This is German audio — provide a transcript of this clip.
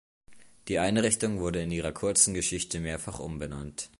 Die Einrichtung wurde in ihrer kurzen Geschichte mehrfach umbenannt.